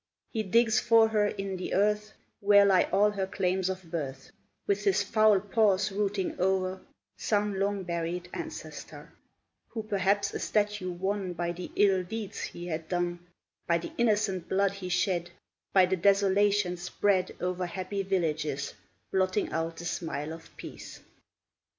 He digs for her in the earth, Where lie all her claims of birth, With his foul paws rooting o'er Some long buried ancestor, Who, perhaps, a statue won By the ill deeds he had done, By the innocent blood he shed, By the desolation spread Over happy villages, Blotting out the smile of peace.